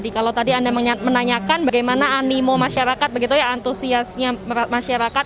kalau tadi anda menanyakan bagaimana animo masyarakat begitu ya antusiasnya masyarakat